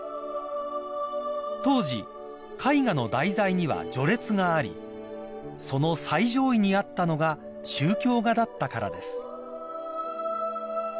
［当時絵画の題材には序列がありその最上位にあったのが宗教画だったからです］